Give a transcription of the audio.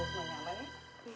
semoga semuanya aman ya